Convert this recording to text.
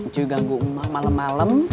cuy ganggu umah malem malem